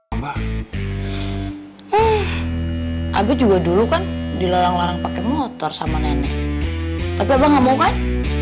abah abah juga dulu kan dilarang larang pakai motor sama nenek tapi abah gak mau kan